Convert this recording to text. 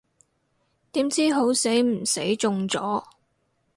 點知好死唔死中咗